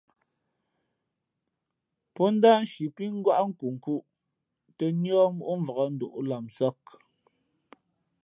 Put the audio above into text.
Pó ndáh nshi pí ngwáʼ nkunkhūʼ tᾱ níά móʼ mvǎk nduʼ lamsāk.